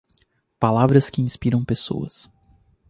Palavras que inspiram pessoas